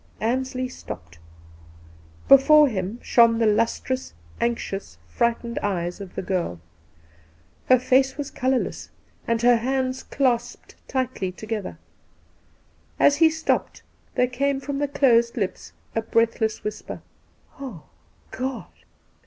Ansley stopped. Before him shone the lustrous, Two Christmas Days 219 anxious, frightened eyes of the girl. Her face was colourless, and her hands clasped tightly together. As he stopped there came from the closed lips a breathless whisper—' Ah, God